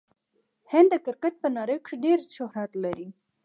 هند د کرکټ په نړۍ کښي ډېر شهرت لري.